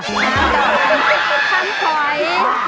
คำฝอย